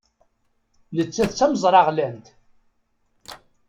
Nettat d tameẓraɣlant.